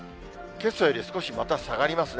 けさより少しまた下がりますね。